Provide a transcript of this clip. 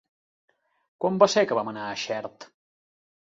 Quan va ser que vam anar a Xert?